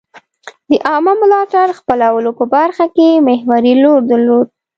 د عامه ملاتړ خپلولو په برخه کې محوري رول درلود.